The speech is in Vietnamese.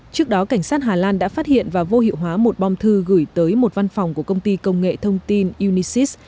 trước đó cảnh sát hà lan đã phát hiện và vô hiệu hóa một bom thư gửi tới một văn phòng của công ty công nghệ thông tin unisis